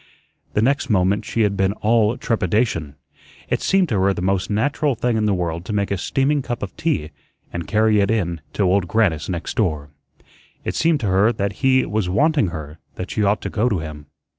The next moment she had been all trepidation. It seemed to her the most natural thing in the world to make a steaming cup of tea and carry it in to Old Grannis next door. It seemed to her that he was wanting her, that she ought to go to him.